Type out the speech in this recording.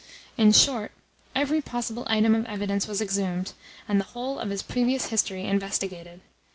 In short, every possible item of evidence was exhumed, and the whole of his previous history investigated.